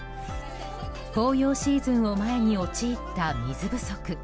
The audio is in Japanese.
紅葉シーズンを前に陥った水不足。